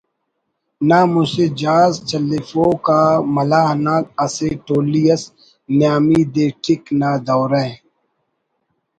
نا مسہ جہاز چلیفوک آ ملاح تا اسہ ٹولی اس نیامی دے ٹِک نا دورہ